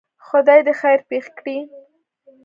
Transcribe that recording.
خدای دی خیر پېښ کړي.